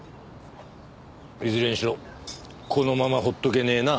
いずれにしろこのまま放っとけねえな。